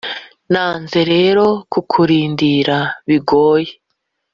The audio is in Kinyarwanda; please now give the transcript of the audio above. nanze rero kukurindira bigoye